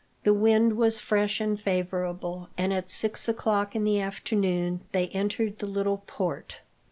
The wind was fresh and favourable, and at six o'clock in the afternoon they entered the little port.